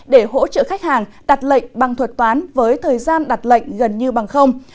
để hỗ trợ khách hàng đặt lệnh bằng thuật toán với thời gian đặt lệnh gần như bằng không